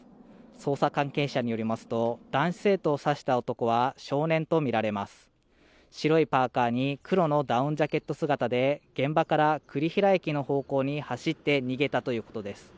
捜査関係者によりますと男子生徒を刺した男は少年とみられます白いパーカーに黒のダウンジャケット姿で現場から栗平駅の方向に走って逃げたということです